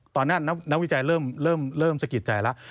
ตอนนั้นนักวิจัยเริ่มสกิดใจแล้ว